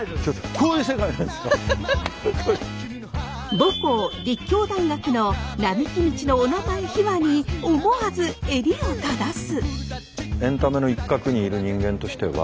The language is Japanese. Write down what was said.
母校立教大学の並木道のおなまえ秘話に思わず襟を正す！